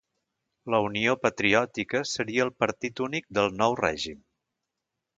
La Unió Patriòtica seria el partit únic del nou règim.